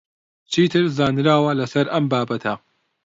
چیتر زانراوە لەسەر ئەم بابەتە؟